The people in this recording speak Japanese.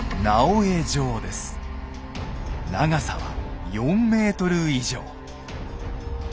長さは４ｍ以上。